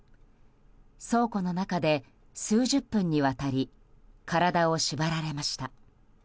倉庫の中で数十分にわたり体を縛られました。